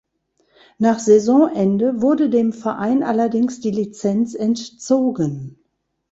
Nach Saisonende wurde dem Verein allerdings die Lizenz entzogen.